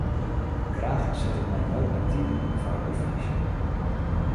Graach set ik my no aktyf yn foar de provinsje.